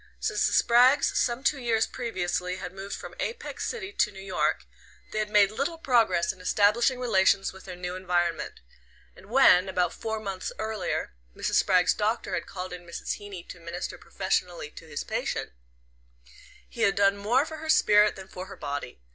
Since the Spraggs, some two years previously, had moved from Apex City to New York, they had made little progress in establishing relations with their new environment; and when, about four months earlier, Mrs. Spragg's doctor had called in Mrs. Heeny to minister professionally to his patient, he had done more for her spirit than for her body.